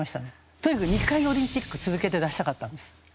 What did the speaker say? とにかく２回オリンピック続けて出したかったんです。